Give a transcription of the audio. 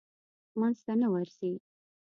منځ ته نه ورځي.